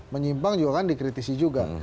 menyimpang juga kan dikritisi juga